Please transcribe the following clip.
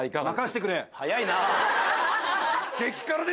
早いな。